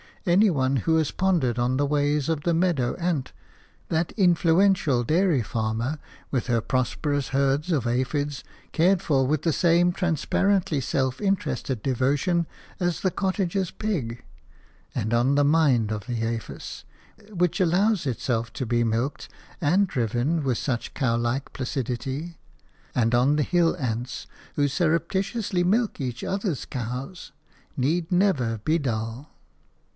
Any one who has pondered on the ways of the meadow ant – that influential dairy farmer, with her prosperous herds of aphides, cared for with the same transparently self interested devotion as the cottager's pig; and on the mind of the aphis – which allows itself to be milked and driven with such cowlike placidity; and on the hill ants – who surreptitiously milk each other's cows – need never be dull.